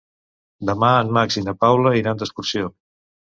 Demà en Max i na Paula iran d'excursió.